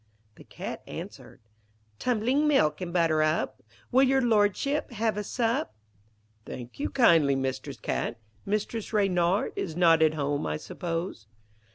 The Cat answered 'Tumbling milk and butter up. Will your Lordship have a sup?' 'Thank you kindly, Mistress Cat. Mistress Reynard is not at home, I suppose.'